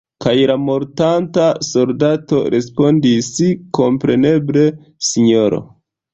Kaj la mortanta soldato respondis: “Kompreneble, sinjoro!